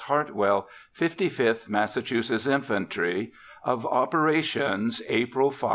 HARTWELL, FIFTY FIFTH MASSACHUSETTS INFANTRY, OF OPERATIONS, APRIL 5 15.